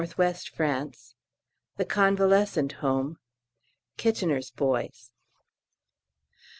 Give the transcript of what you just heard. W. France The Convalescent Home Kitchener's boys.